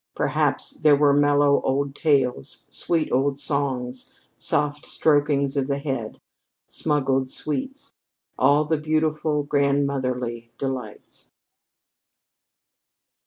Perhaps there were mellow old tales, sweet old songs, soft strokings of the head, smuggled sweets all the beautiful grandmotherly delights.